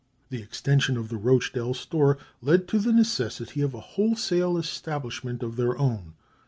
The extension of the Rochdale store led to the necessity of a wholesale establishment of their own.